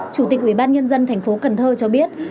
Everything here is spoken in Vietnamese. chủ tịch ủy ban nhân dân thành phố cần thơ cho biết